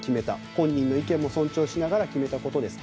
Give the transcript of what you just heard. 本人の意見も尊重しながら決めたことです。